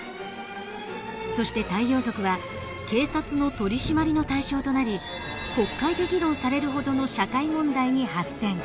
そして太陽族は警察の取り締まりの対象となり国会で議論されるほどの社会問題に発展。